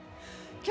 今日